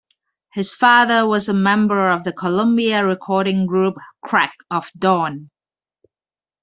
His father was a member of the Columbia recording group Crack of Dawn.